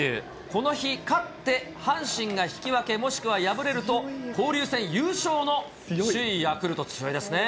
この日、勝って阪神が引き分け、もしくは敗れると、交流戦優勝の首位ヤクルト、強いですね。